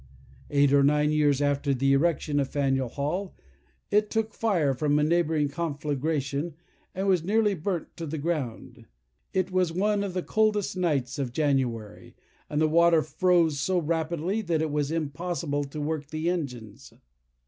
Eight or nine years after the erection of Faneuil Hall, it took fire from a neighbouring conflagration, and was nearly burnt to the ground. It was on one of the coldest nights of January, and the water froze so rapidly, that it was impossible to work the engines.